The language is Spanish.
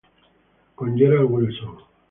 Con Gerald Wilson